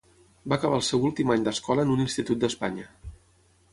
Va acabar el seu últim any d'escola en un institut d'Espanya.